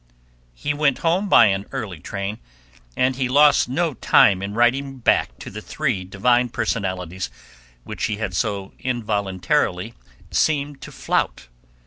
He went home by an early train, and he lost no time in writing back to the three divine personalities which he had so involuntarily seemed to flout.